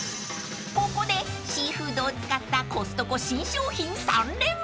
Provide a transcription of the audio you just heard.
［ここでシーフードを使ったコストコ新商品３連発］